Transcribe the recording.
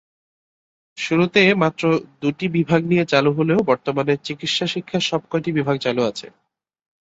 শুরুতে মাত্র দুটি বিভাগ নিয়ে চালু হলেও বর্তমানে চিকিৎসা শিক্ষার সবকয়টি বিভাগ চালু আছে।